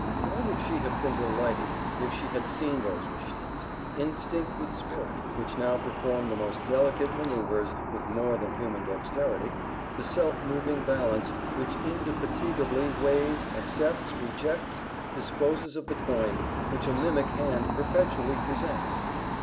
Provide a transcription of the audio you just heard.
How would she have been delighted if she had seen those machines, "instinct with spirit," which now perform the most delicate manoeuvres with more than human dexterity the self moving balance which indefatigably weighs, accepts, rejects, disposes of the coin, which a mimic hand perpetually presents!